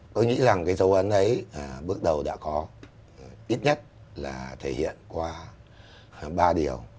tôi nghĩ rằng cái dấu ấn ấy bước đầu đã có ít nhất là thể hiện qua ba điều